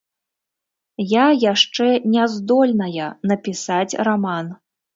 Я яшчэ няздольная напісаць раман.